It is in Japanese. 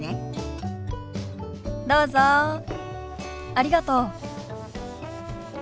ありがとう。